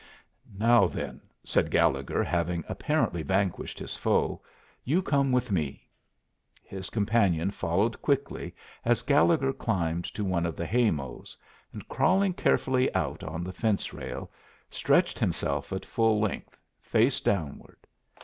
"Now, then," said Gallegher, having apparently vanquished his foe, "you come with me." His companion followed quickly as Gallegher climbed to one of the hay mows, and, crawling carefully out on the fence rail, stretched himself at full length, face downward.